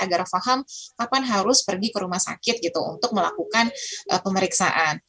agar faham kapan harus pergi ke rumah sakit gitu untuk melakukan pemeriksaan